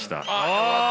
よかった！